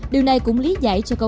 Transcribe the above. điều này cũng lý giải cho các bạn